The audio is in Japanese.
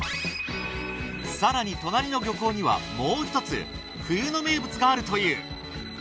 更に隣の漁港にはもう一つ冬の名物があるという。